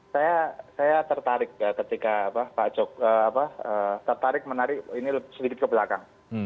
saya tertarik ketika pak jokowi tertarik menarik ini sedikit ke belakang